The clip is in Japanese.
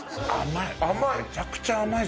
甘い。